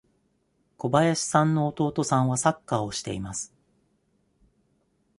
小林さんの弟さんはサッカーをしています。